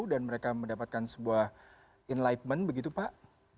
dan mereka mendapatkan sebuah enlightenment begitu pak